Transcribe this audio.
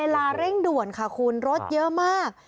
เร่งด่วนค่ะคุณรถเยอะมาก